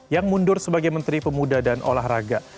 yang mundur sebagai menteri pemuda dan olahraga